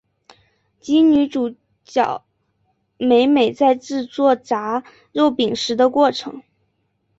及女主角美美在制作炸肉饼时的过程。